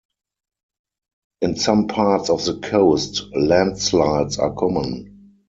In some parts of the coast, landslides are common.